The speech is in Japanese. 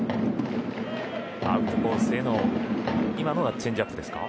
アウトコースへの今のはチェンジアップですか。